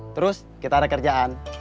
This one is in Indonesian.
terus kita ada kerjaan